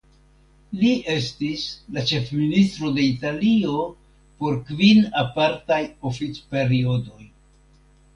Li estis la ĉefministro de Italio por kvin apartaj oficperiodoj.